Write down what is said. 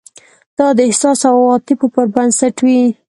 دا د احساس او عواطفو پر بنسټ وي.